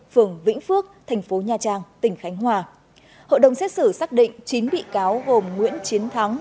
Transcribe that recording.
phường vĩnh phước thành phố nha trang tỉnh khánh hòa hội đồng xét xử xác định chín bị cáo gồm nguyễn chiến thắng